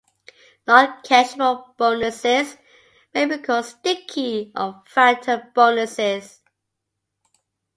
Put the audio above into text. Non-cashable bonuses may be called "sticky" or "phantom" bonuses.